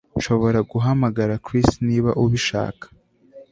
Nshobora guhamagara Chris niba ubishaka